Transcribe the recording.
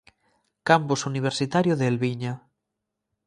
Campus Universitario de Elviña.